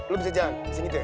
lo bisa jalan disini deh